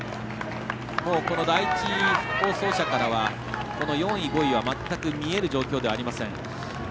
第１放送車からは４位、５位は全く見える状態ではありません。